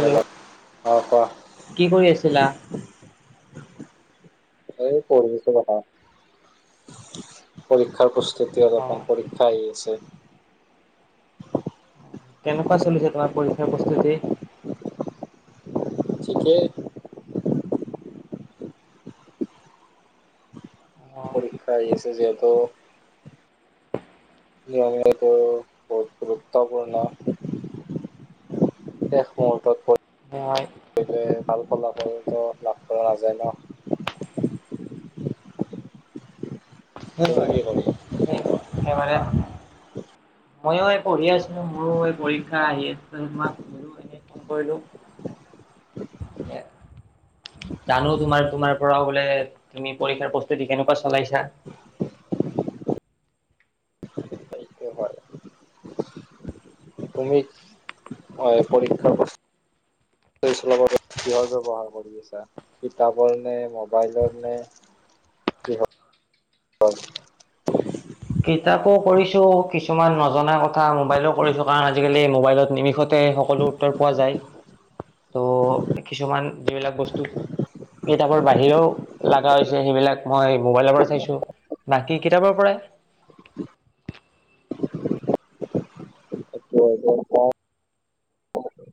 Hello অঁ কোৱা কি কৰি আছিলা? এই পঢ়িছো কথা পৰীক্ষাৰ প্ৰ তেতিয়া অ'। অলপমান পৰীক্ষা আহি আছে। কেনেকুৱা চলিছে তোমাৰ? পৰীক্ষাৰ প্ৰস্তুতি। এতিয়া অ পৰীক্ষা আহি আছে যিহেতু নিয়মীয়া বহুত গুৰুত্বপূৰ্ণ শেষ মুহূৰ্তত মই ভাল ফলাফলটো লাভ কৰা নাযায় ন। হয়। হয়। সবৰে ময়ো পঢ়ি আছিলো মোৰো এই পৰীক্ষা আহি আছিল তইলো এনে কৰিলোঁ। জানো তোমাৰ তোমাৰ পৰা বোলে তুমি পৰীক্ষাৰ প্ৰস্তুতি কেনেকুৱা চলাইছা। ব্যৱহাৰ। তুমি পৰীক্ষাৰ কিহৰ ব্যৱহাৰ কৰি আছা কিতাপৰ নে মোবাইলৰ নে কিহ কিতাপো কৰিছো কিছুমান নজনা কথা মোবাইলো কৰিছো কাৰণ আজিকালি মোবাইলত নিমিষতে সকলো উত্তৰ পোৱা যায় ত' কিছুমান যিবিলাক বস্তু কিতাপৰ বাহিৰেও লগা হৈছে সেইবিলাক মই মোবাইলৰ পৰাই চাইছো বাকী কিতাপৰ পৰাই। [unintelligible]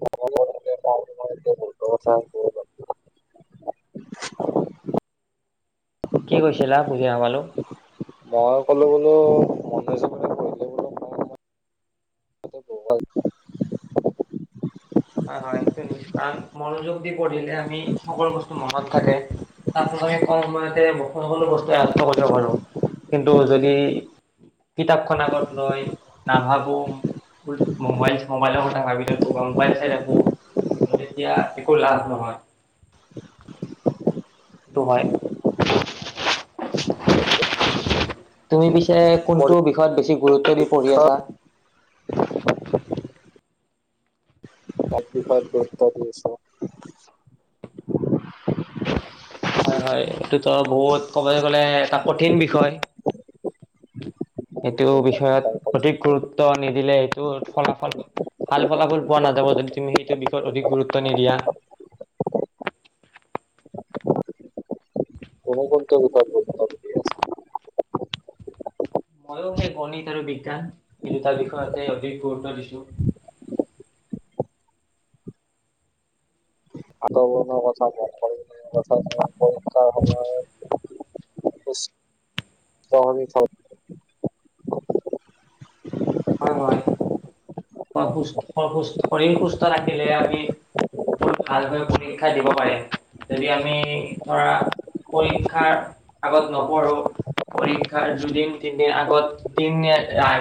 [unintelligible] কি কৈছিলা বুজি হাবালো। মই ক'লো বোলো মো ম হয় হয় সেইটোৱে নিশ্চয় কাৰ মনোযোগদি পঢ়িলে আমি সকলো বস্তু মনত থাকে তাৰপিছত আমি কম সময়তে সকলো বস্তু আয়ত কৰিব পাৰো কিন্তু যদি কিতাপখন আগত লৈ নাভাবো মবাইল মবাইলৰ কথা ভাবিলে ত গম মোবাইল চাই থাকো তেতিয়া একো লাভ নহয়। সেইটো হয়। তুমি পিছে কোনটো বিষয়ত বেছি গুৰুত্ব দি পঢ়ি পৰীক্ষাত আছা? [unintelligible] গুৰুত্ব দি আছোঁ। হয় হয় এইটোতো বহুত ক'বলৈ গ'লে এটা কঠিন বিষয়। সেইটো বিষয়ত অধিক গুৰুত্ব নিদিলে, ফলাফল ভাল ফলাফল পোৱা নাযাব যদি তুমি সেইটো বিষয়ত অধিক গুৰুত্ব নিদিয়া। [unintelligible] ময় সেই গণিত আৰু বিজ্ঞান কিন্তু তাৰ বিষয়তে অধিক গুৰুত্ব দিছো। [unintelligible] পৰীক্ষাৰ সময়ত। [unintelligible] [unintelligible] হয় হয়। হয় সুস্থ শৰীৰ সুস্থ থাকিলে আমি বহুত ভাল ভাল পৰীক্ষা দিব পাৰিম। যদি আমি ধৰা, পৰীক্ষাৰ আগত নপঢ়ো পৰীক্ষাৰ দুদিন তিনদিন আগত দিনে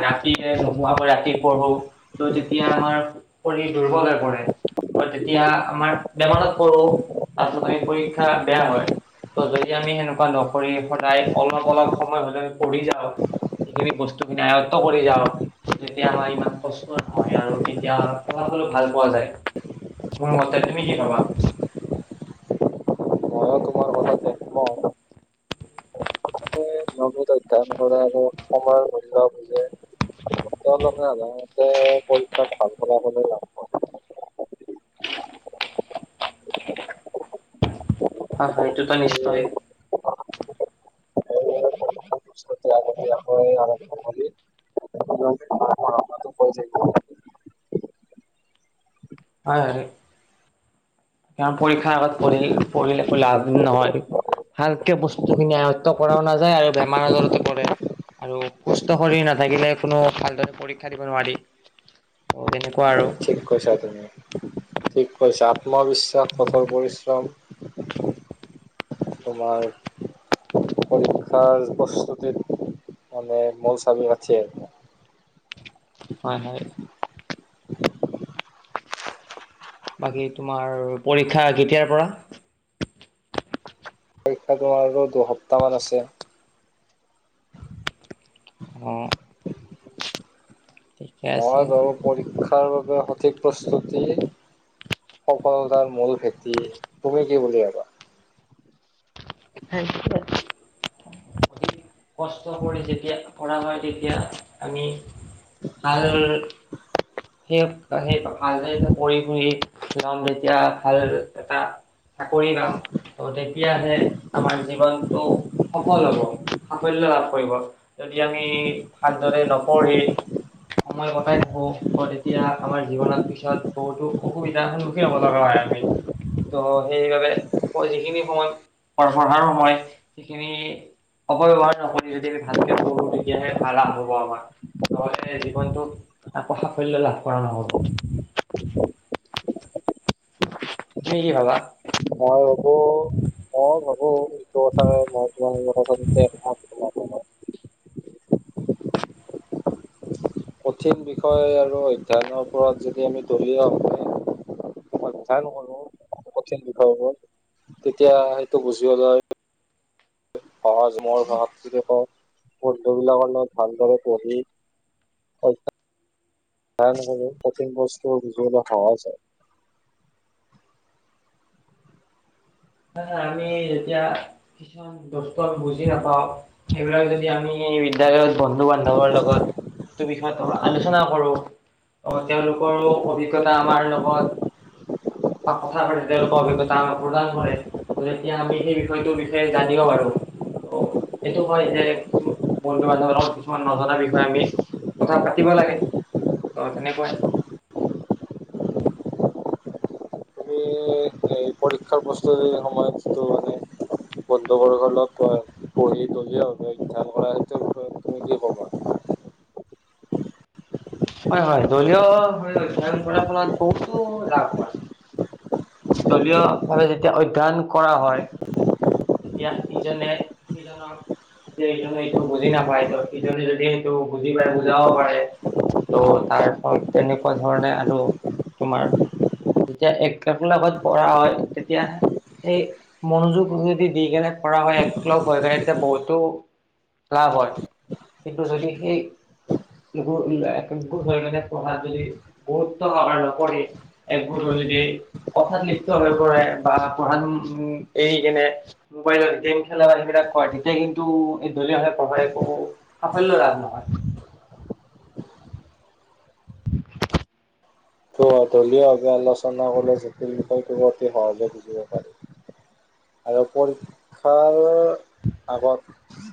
ৰাতিয়ে নোহোৱাকৈ ৰাতি পঢ়ো ত তেতিয়া আমাৰ শৰীৰ দুৰ্বল হৈ পৰে। ত তেতিয়া আমাৰ বেমাৰত পৰো। তাৰপিছত আমি পৰীক্ষা বেয়া হয় ত যদি আমি সেনেকুৱা নকৰি সদায় অলপ অলপ সময় হলেও আমি পঢ়ি যাওঁ, [inaudible] বস্তুখিনি আয়ত্ব কৰি যাও তেতিয়া আমাৰ ইমান কষ্ট নহ আৰু তেতিয়া অলপ হলেও ভাল পোৱা যায় মোৰ মতে ।তুমি কি ভাবা? মইয়ো তোমাৰ কথাত একমত নিয়মীত অধ্যন কৰে আৰু সময়ৰ মূল্য বুজে। তেওঁলোকে সাধাৰণতে পৰীক্ষাত ভাল ফলা ফলো লাভ কৰে। হ হয় এইটো নিশ্চয় [inaudible] সেইবাবে পৰীক্ষাৰ প্ৰস্তুতি আগতীয়াকৈ আৰম্ভ কৰি নিয়মিত পঢ়া শুনাটো কৰি থাকিব হয়। কাৰণ পৰীক্ষাৰ আগত পঢ়ি পঢ়িলে একো লাভ নহয়। ভালকে বস্তুখিনি আয়ত্ব কৰাও নাযায় আৰু বেমাৰ আজাৰতো পৰে। আৰু সুস্থ শৰীৰ নাথাকিলে কোনো ভালদৰে পৰীক্ষা দিব নোৱাৰি ।ত তেনেকুৱা আৰু। ঠিক কৈছা তুমি ঠিক কৈছা। আত্মবিশ্বাস কঠোৰ পৰিশ্ৰম [inaudible] তোমাৰ পৰীক্ষাৰ প্ৰস্তুতিত মানে মূল চাবি কাঠিয়ে। হয় হয় [inaudible] বাকী তোমাৰ পৰীক্ষা কেতিয়াৰ পৰা? পৰীক্ষা তোমাৰ আৰু দুসপ্তাহমান আছে। অ। ঠিকে মই আছে বাৰু পৰীক্ষা তাৰ বাবে সঠিক প্ৰস্তুতি সফোতাৰ মূল ভেটি তুমি কি বুলি ভাবা? [unintelligible] অধিক কষ্ট কৰি যেতিয়া কৰা হয় তেতিয়া আমি হাল সেই সেই ভালদৰে পঢ়ি হেই যাওঁ যেতিয়া ভাল এটা চাকৰি পাম। ত তেতিয়াহে আমাৰ জীৱনটো সফল হব সাফল্য লাভ কৰিব। যদি আমি ভালদৰে নপঢ়ি সময় কটাই থাকো তেতিয়া আমাৰ জীৱনত পিছত বহুতো অসুবিধাৰ সন্মুখীন হ'ব লগা হয় আমি ।ত' সেইবাবে যিখিনি সময় প পঢ়াৰ সময় সেইখিনি অপব্যবহাৰ নকৰি যদি আমি ভালকে পঢ়োঁ, তেতিয়াহে ভালা হ'ব আমাৰ । নহলে জীৱনটো সাফল্য লাভ কৰা নহ'ব। তুমি কি ভাবা? মই ভাবো মই ভাবো এইটো কথা মই তোমাৰ লগত আচলতে একমত [inaudible] কঠিন বিষয় আৰু অধ্য়নৰ ওপৰত যদি আমি দলীয়ভাৱে অধ্য়ন কৰো কঠিন হয় তেতিয়া সেইটো বুজি । সহজ মোৰ [unintelligible] শদ্ধবিলাকৰ লগত ভালদৰে পঢ়ি [unintelligible] কঠিন বস্তু বুজিবলৈ সহজ হয় হয় আমি এতিয়া কিছুমান দস্ত বুজি নাপাও। এই বিলাক যদি আমি বিদ্যালয়ত বন্ধু বান্ধৱ লগত বিষয়ত আলোচনা কৰো। অ তেওঁলোকৰো অভিজ্ঞতা আমাৰ লগত কথা পাতি তেওঁলোকৰ অভিজ্ঞতা আমাক প্ৰদান কৰে ত তেতিয়া আমি সেই বিষয়টোৰ বিষয়ে জানিব পাৰো। ত এইটো হয় যে কিছু বন্ধু বান্ধৱ লগ কিছুমান নজনা বিষয়ে আমি কথা পাতিব লাগে। ত' তেনেকুৱাই। তুমি পৰীক্ষাৰ প্ৰস্তুতি সময়ত যিটো মানে বন্ধু বৰ্গৰ লগত পহে। পঢ়ি দলীয় ভাবে ধ্যান কৰা সেইটোৰ বিষয়ত তুমি কি ক'বা? হয় হয় দলীয় অধ্যয়ন কৰাৰ ফলত বহুতো লাভ হয়। দলীয় ভাৱে যেতিয়া অধ্যয়ন কৰা হয়। তেতিয়া ইজনে সিজনক ইজনে এইটো বুজি নাপায় ত সিজনে যদি সেইটো বুজি পায় বুজাব পাৰে। ত তাৰ ফল তেনেকুৱা ধৰণে আৰু তোমাৰ যেতিয়া একভত পঢ়া হয় তেতিয়া সেই মনোযোগ যদি দি কেনে কৰা হয় এককলগ হৈ কেনে তেতিয়া বহুতো লাভ হয়। কিন্তু যদি সেই একগোট হৈ কেনে পঢ়াত যদি গুৰুত্ব নকৰি, একগোট হৈ যদি কথাত লিপ্ত হৈ পৰে বা পঢ়াত উ এৰি কেনে মোবাইলত গেম খেলা বা সেইবিলাক কৰে তেতিয়া কিন্তু এই দলীয়ভাৱে পঢ়াই একো সাফল্যলাভ নহয়। দলীয়ভাৱে আলোচনা কৰে জটিল বিষয়টো অতি সৰজে বুজিব পাৰি। আৰু পৰীক্ষাৰ আগত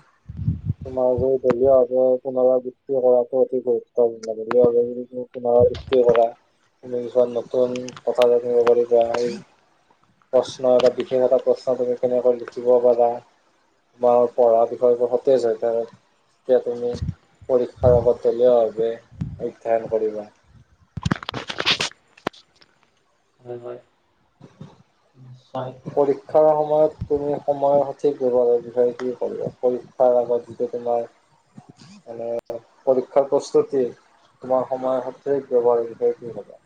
তোমাৰ দলিয় ভাবে পুনৰাবৃত্তি কৰাটো অতি গুৰুত্বপূৰ্ণ। দলীয় ভাবে যদি তুমি পুনৰাবৃত্তি কৰা, তুমি কিছমান নতুন কথা জানিব পাৰিব সেই প্ৰশ্ন এটা বিশেষ এটা প্ৰশ্ন তুমি কেনেকৈ লিখিব পাৰা তোমাৰ পঢ়া বিষয়টো তেজ হৈ থাকে। তেতিয়া তুমি পৰীক্ষাৰ আগত দলীয়ভাৱে অধ্যয়ন কৰিবা। হয় হয়। পৰীক্ষাৰ সময়ত তুমি সময়ৰ সঠিক ব্যৱহাৰৰ বিষয়ে কি কৰিবা ।পৰীক্ষাৰ আগত যিটো তোমাৰ মানে পৰীক্ষাৰ প্ৰস্তুতি তোমাৰ সময়ৰ সঠিক ব্যৱহাৰৰ বিষয়ে কি ক'বা?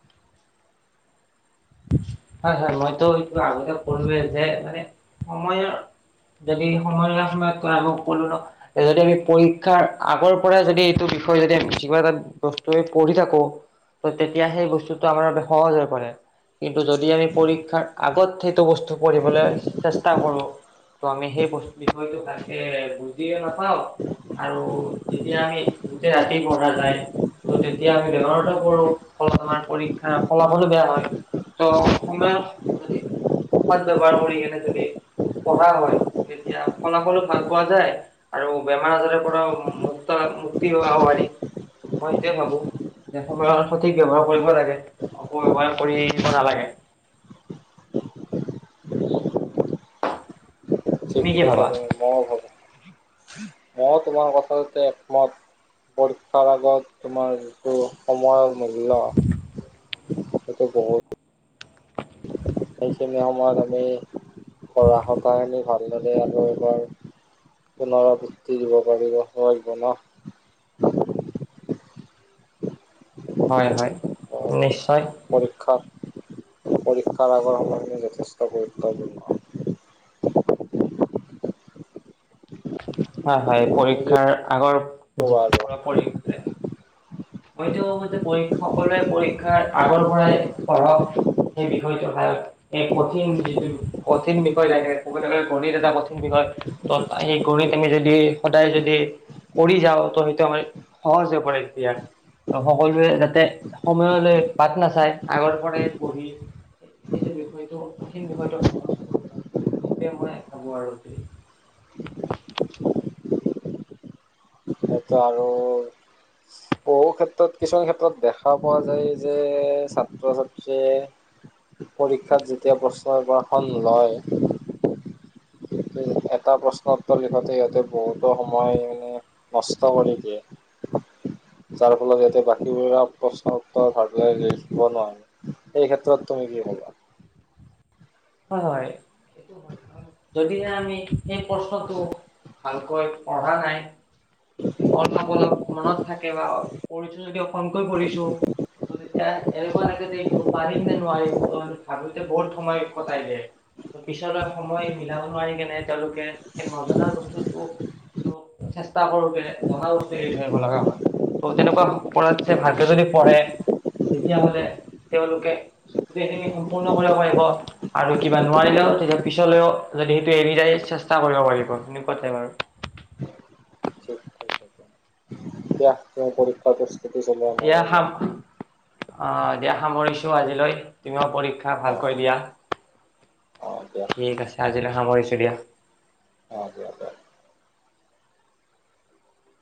হয় হয় মইতো এইটো আগতে কলোয়ে যে, মানে সময় যদি সময় [unintelligible] কলো ন যদি আমি পৰীক্ষাৰ আগৰ পৰাই যদি এইটো বিষয় যদি আমি বেছি কিবা এটা বস্তু পঢ়ি থাকো ত তেতিয়া সেই বস্তুটো আমাৰ বাবে সহজ হৈ পৰে ত যদি আমি পৰীক্ষাৰ আগত সেইটো বস্তু পঢ়িবলৈ চেষ্টা কৰো, ত' আমি সেই বস্তু বিষয়টো ভালকে বুজিয়ে নাপাওঁ, আৰু যেতিয়া আমি গোটেই ৰাতি পঢ়া যায় ত তেতিয়া আমি বেমাৰতো প। ফলত আমাৰ পৰীক্ষা ফলা ফলো বেয়া হয়। ত সময় যদি সত ব্যৱহাৰ কৰি কেনে যদি পঢ়া হয়, তেতিয়া ফলাফলো ভাল পোৱা যায়, আৰু বেমাৰ আজাৰৰ পৰাও মুক্তা মুক্তি হোৱা পাৰি মই সইটোৱে ভাবো। যে সময়ৰ সঠিক ব্যৱহাৰ কৰিব লাগে অপব্যবহাৰ কৰি দিব নালাগে। ঠিক তুমি কি কৈছা ভাবা তুমি মইও ভাবো। মই তোমাৰ কথাটোতে একমত, পৰীক্ষাৰ আগত তোমাৰ যিটো সময়ৰ মূল্য, সেইটো বহুত। [inaudible] সেইখিনি সময়ত আমি পঢ়া [unintelligible] খিনি ভালদৰে আৰু এবাৰ পুনৰাবৃত্তি দিব পাৰিব ন। হয়- হয় নিশ্চয়। পৰীক্ষাত পৰীক্ষাৰ আগৰ সময়খিনি যথেষ্ট গুৰুত্বপূৰ্ণ। হয়-হয় তুমি কি পৰীক্ষাৰ আগৰ কবা আৰু [unintelligible] মইটো [unintelligible] সকলোৱে পৰীক্ষাৰ আগৰ পৰাই পঢ়ক সেই বিষয়টোত এই কঠিন যিটো কঠিন বিষয় থাকে, ক'বলৈ ক'লে গণিত এটা কঠিন বিষয় ত সেই গণিত আমি যদি সদায় যদি কৰি যাওঁ ত সেইটো আমাৰ সহজ হৈ পৰে তেতিয়া। ত' সকলোৱে যাতে সময়লৈ বাট নাচায় আগৰ পৰাই পঢ়ি সেটো বিষয়টো কঠিন বিষয়টো সহজ কৰি লয় সেইটোৱে মই ভাবো আৰু। এতিয়া আৰু বহু ক্ষেত্ৰত কিছুমান ক্ষেত্ৰত দেখা পোৱা যায় যে ছাত্ৰ-ছাত্ৰীয়ে পৰীক্ষাত যেতিয়া প্ৰশ্নৰ পেপাৰখন লয়, এটা প্ৰশ্ন উত্তৰ দিশতে সিহঁতে বহুতো সময় নষ্ট কৰি দিয়ে, যাৰ ফলত ইয়াতে বাকীবোৰ প্ৰশ্ন উত্তৰ ভাল কে লিখিব নোৱাৰে। এই ক্ষেত্ৰত তুমি কি ক'বা। হয়-হয়, যদিহে আমি সেই প্ৰশ্নটো ভালকৈ কৰা নাই। অলপ- অলপ মনত থাকে বা অ কৰিছো যদি অকণকৈ কৰিছো, ত' তেতিয়া এনেকুৱা লাগে যে এইটো পাৰিম নে নোৱাৰিম ত' আমি ভাবোতে বহুত সময় কটাই দিয়ে। ত পিছলৈ সময় মিলাব নোৱাৰি কেনে তেওঁলোকে সেই নজনা বস্তুটো চেষ্টা কৰোতে জনা বস্তু এৰি থৰিব লগা হয়। ত' তেনেকুৱা কৰা ভালকে যদি পঢ়ে তেতিয়াহ'লে তেওঁলোকে গোটেইখিনি সম্পূৰ্ণ কৰিব পাৰিব। আৰু কিবা নোৱাৰিলেও তেতিয়া পিছলৈও যদি সেইটো এৰি যায় চেষ্টা কৰিব পাৰিব। সেনেকুৱা টাইপ আৰু। ঠিক কৈছা তুমি। দিয়া, তেওঁ পৰীক্ষা কৰিছে চিটি চলোৱা মইয়ো যাওঁ। অঁ, দিয়া সামৰিছো আজিলৈ, তুমিও পৰীক্ষা খা অ', ভালকৈ দিয়া, অ', দিয়া ঠিক আছে আজিলৈ সামৰিছোঁ দিয়া। অঁ দিয়া দিয়া।